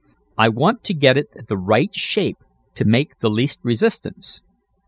I want to get it the right shape to make the least resistance."